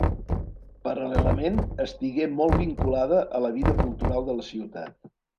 Paral·lelament, estigué molt vinculada a la vida cultural de la ciutat.